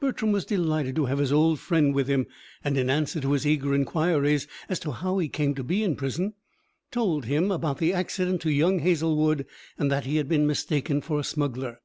Bertram was delighted to have his old friend with him, and in answer to his eager inquiries as to how he came to be in prison, told him about the accident to young Hazlewood, and that he had been mistaken for a smuggler.